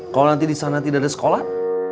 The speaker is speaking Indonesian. kalau nanti di sana tidak ada sekolah